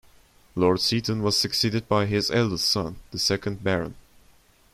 Lord Seaton was succeeded by his eldest son, the second Baron.